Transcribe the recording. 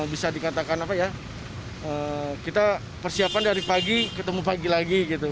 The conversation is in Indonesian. bisa dikatakan apa ya kita persiapan dari pagi ketemu pagi lagi gitu